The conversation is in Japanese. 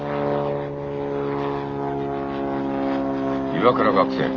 岩倉学生。